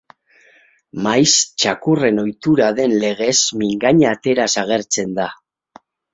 Maiz txakurren ohitura den legez mingaina ateraz agertzen da.